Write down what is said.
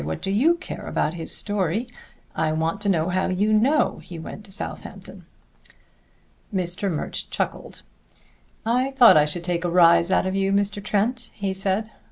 What do you care about his story? I want to know how you know he went to Southampton." Mr. Murch chuckled. "I thought I should take a rise out of you, Mr. Trent," he said.